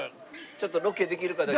ちょっとロケできるかだけ。